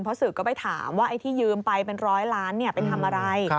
เพราะสื่อก็ไปถามว่าไอ้ที่ยืมไปเป็นร้อยล้านไปทำอะไร